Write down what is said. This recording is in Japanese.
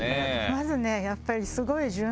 まずねやっぱり。